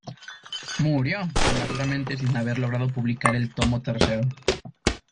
Murió prematuramente sin haber logrado publicar el tomo tercero.